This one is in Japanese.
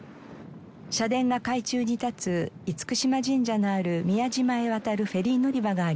社殿が海中に立つ厳島神社のある宮島へ渡るフェリー乗り場があります。